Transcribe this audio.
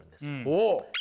ほう。